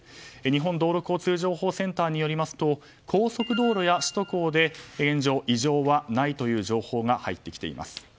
日本道路交通情報センターによりますと、高速道路や首都高で異常はないという情報が入ってきています。